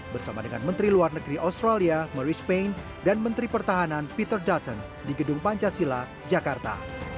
bersama dengan menteri luar negeri australia mary spain dan menteri pertahanan peter dutton di gedung pancasila jakarta